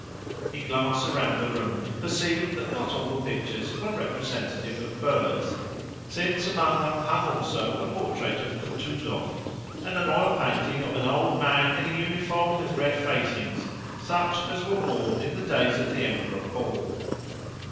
He glanced around the room, and perceived that not all the pictures were representative of birds, since among them hung also a portrait of Kutuzov and an oil painting of an old man in a uniform with red facings such as were worn in the days of the Emperor Paul .